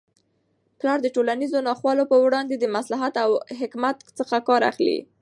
پلار د ټولنیزو ناخوالو په وړاندې د مصلحت او حکمت څخه کار اخلي.